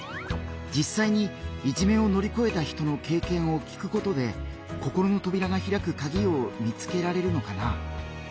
じっさいにいじめを乗り越えた人の経験を聞くことで心のとびらがひらくカギを見つけられるのかな？